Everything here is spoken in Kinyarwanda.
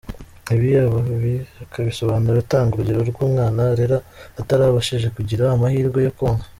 Ibi akabisobanura atanga urugero rw’umwana arera, utarabashije kugira amahirwe yo konka.